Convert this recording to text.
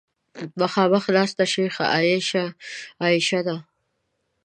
مخامخ ناسته شیخه عایشه ده.